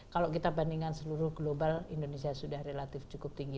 kalau kita bandingkan seluruh global indonesia sudah relatif cukup tinggi